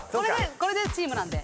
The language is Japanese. これでチームなんで。